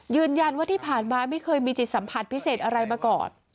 ยืนยันว่าที่ผ่านมาไม่เคยมีจิตสัมผัสพิเศษอะไรมาก่อน